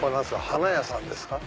花屋さんですか？